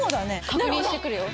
確認してくるよ。